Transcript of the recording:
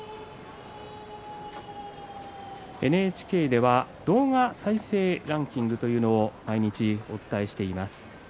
ＮＨＫでは動画再生ランキングというのを毎日、お伝えしています。